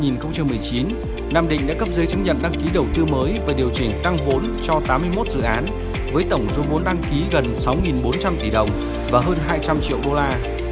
năm hai nghìn một mươi chín nam định đã cấp giấy chứng nhận đăng ký đầu tư mới và điều chỉnh tăng vốn cho tám mươi một dự án với tổng số vốn đăng ký gần sáu bốn trăm linh tỷ đồng và hơn hai trăm linh triệu đô la